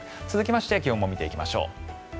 続きまして気温も見ていきましょう。